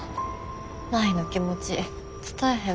舞の気持ち伝えへん